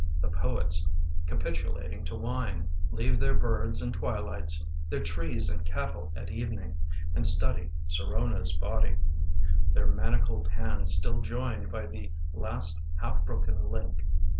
The poets, capitulating to wine, Leave their birds and twilights, Their trees and cattle at evening, And study Sirona's body — Their manacled hands still joined By the last half broken link.